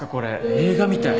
映画みたい。